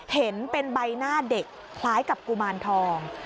เห็นเป็นใบหน้าเด็กคล้ายกับกุมารทอง